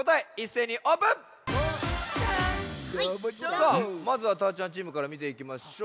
さあまずはたーちゃんチームからみていきましょう。